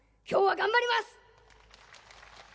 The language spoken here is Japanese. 今日は頑張ります！